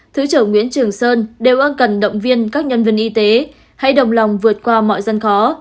thứ trưởng nguyễn trường sơn đều ân cần động viên các nhân viên y tế hãy đồng lòng vượt qua mọi gian khó